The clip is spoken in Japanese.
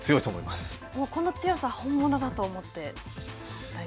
この強さ本物だと思って大丈夫